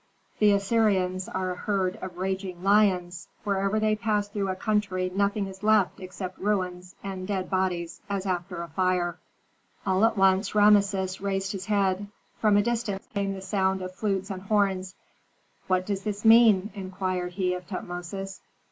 The Assyrians are a herd of raging lions! Wherever they pass through a country nothing is left except ruins and dead bodies, as after a fire " All at once Rameses raised his head; from a distance came the sound of flutes and horns. "What does this mean?" inquired he of Tutmosis.